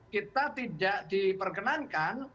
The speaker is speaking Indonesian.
kita tidak diperkenankan